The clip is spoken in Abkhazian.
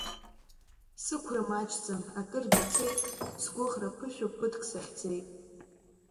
Сықәра маҷӡам, акыргьы цеит, сгәыӷра ԥышәо ԥыҭк сахьӡеит.